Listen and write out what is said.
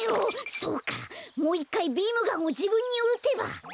そうかもういっかいビームガンをじぶんにうてば。